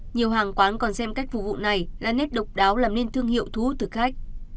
nhiều hàng quán còn xem cách phục vụ này là nét độc đáo làm nên thương hiệu thú thức khách